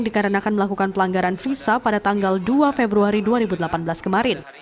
dikarenakan melakukan pelanggaran visa pada tanggal dua februari dua ribu delapan belas kemarin